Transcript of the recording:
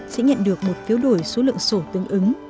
sẽ nhận được một phiếu đổi số lượng sổ tương ứng